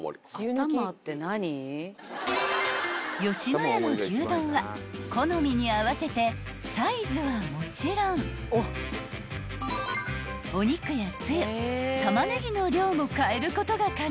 ［野家の牛丼は好みに合わせてサイズはもちろんお肉やつゆタマネギの量も変えることが可能］